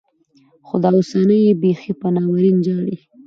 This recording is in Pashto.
خو دا اوسنۍيې بيخي په ناورين ژاړي.